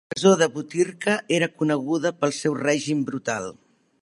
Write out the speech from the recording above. La presó de Butyrka era coneguda pel seu règim brutal.